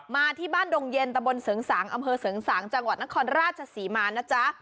มาที่บ้านดงเย็นตะบนเสริงสางอำเภอเสริงสางจังหวัดนครราชศรีมานะจ๊ะ